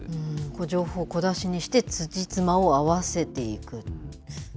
情報を小出しにして、つじつまを合わせていく。